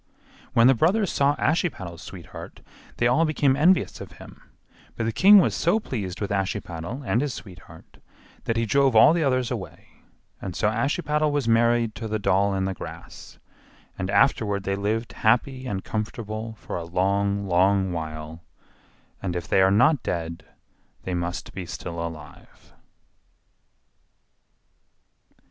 When the brothers saw Ashiepattle's sweetheart they all became envious of him, but the king was so pleased with Ashiepattle and his sweetheart that he drove all the others away, and so Ashiepattle was married to the doll in the grass; and afterward they lived happy and comfortable for a long, long while; and if they are not dead, they must be still alive.